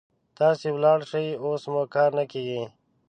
تاسې ولاړ شئ، اوس مو کار نه کيږي.